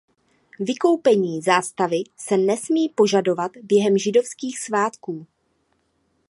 Vykoupení zástavy se nesmí požadovat během židovských svátků.